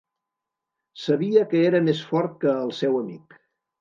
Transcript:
Sabia que era més fort que el seu amic.